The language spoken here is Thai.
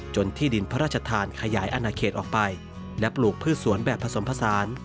ที่ดินพระราชทานขยายอนาเขตออกไปและปลูกพืชสวนแบบผสมผสาน